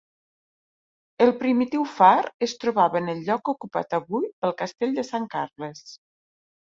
El primitiu far es trobava en el lloc ocupat avui pel Castell de Sant Carles.